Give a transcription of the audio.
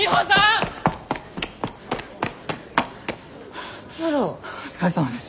はぁお疲れさまです。